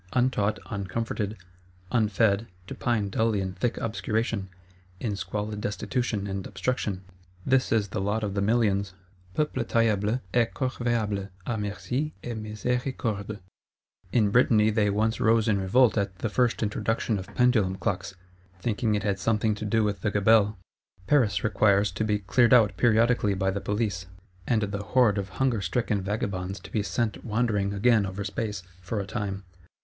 Untaught, uncomforted, unfed; to pine dully in thick obscuration, in squalid destitution and obstruction: this is the lot of the millions; peuple taillable et corvéable à merci et miséricorde. In Brittany they once rose in revolt at the first introduction of Pendulum Clocks; thinking it had something to do with the Gabelle. Paris requires to be cleared out periodically by the Police; and the horde of hunger stricken vagabonds to be sent wandering again over space—for a time.